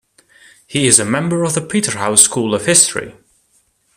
He is a member of the Peterhouse school of history.